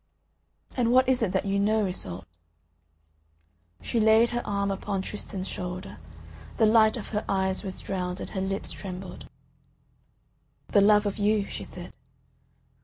"And what is it that you know, Iseult?" She laid her arm upon Tristan's shoulder, the light of her eyes was drowned and her lips trembled. "The love of you," she said.